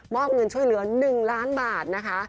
อบเงินช่วยเหลือ๑ล้านบาทนะคะ